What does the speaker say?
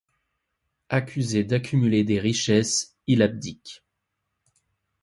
Accusé d'accumuler des richesses, il abdique.